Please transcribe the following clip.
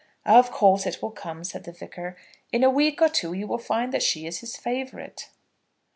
"Of course it will come," said the Vicar. "In a week or two you will find that she is his favourite."